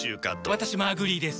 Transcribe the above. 私もアグリーです。